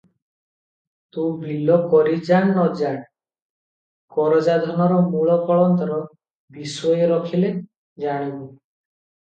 "ତୁ ବିଲ କରି ଜାଣ ନ ଜାଣ, କରଜା ଧନର ମୂଳ କଳନ୍ତର ବିଶ୍ଵଏ ରଖିଲେ, ଜାଣିବୁ।"